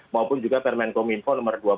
maupun juga permen kominfo nomor dua puluh